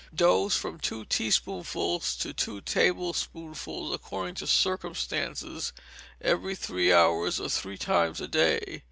Dose, from two teaspoonfuls to two tablespoonfuls, according to circumstances, every three hours, or three times a day.